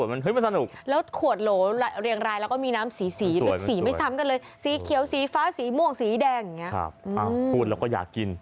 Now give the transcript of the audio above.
มันสนุกด้วย